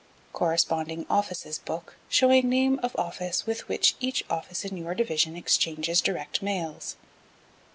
Corresponding Offices Book shewing name of Office with which each Office in your Division exchanges direct mails.